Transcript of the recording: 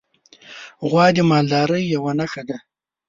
غوا د مالدارۍ یوه نښه ده.